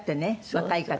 若い方が。